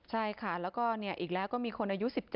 ใช่ค่ะแล้วก็อีกแล้วก็มีคนอายุ๑๗